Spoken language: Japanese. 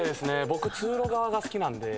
僕通路側が好きなんで。